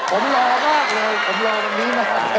ผมรอมากเลยผมรอวันนี้มา